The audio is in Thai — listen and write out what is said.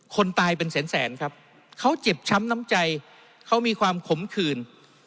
คนตายเป็นแสนแสนครับเขาเจ็บช้ำน้ำใจเขามีความขมขืน